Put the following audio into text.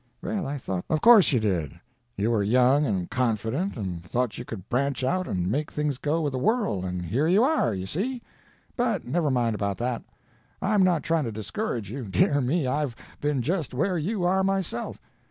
"Well, I thought—" "Of course you did. You were young and confident and thought you could branch out and make things go with a whirl, and here you are, you see! But never mind about that. I'm not trying to discourage you. Dear me! I've been just where you are myself!